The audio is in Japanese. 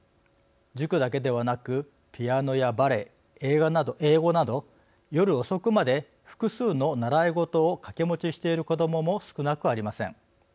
塾だけではなくピアノやバレエ英語など夜遅くまで複数の習い事を掛け持ちしている子どもも少なくありません。